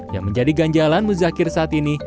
yang menjadi ganjalan muzakir saat ini